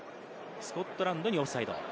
スコットランドにオフサイド。